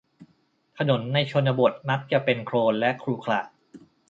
ถนนในชนบทมักจะเป็นโคลนและขรุขระ